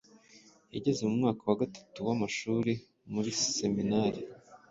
Yageze mu mwaka wa Gatatu w’amashuri muri Seminari,